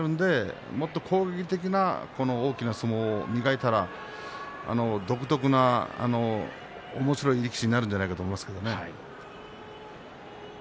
そういうことがありますから攻撃的な大きな相撲を磨いたら独特なおもしろい力士になるんじゃないかと思います。